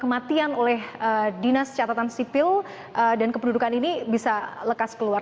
kematian oleh dinas catatan sipil dan kependudukan ini bisa lekas keluar